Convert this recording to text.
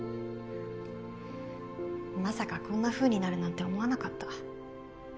まさかこんな風になるなんて思わなかった。